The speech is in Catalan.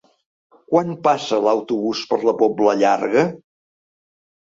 Quan passa l'autobús per la Pobla Llarga?